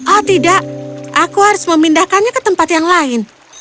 oh tidak aku harus memindahkannya ke tempat yang lain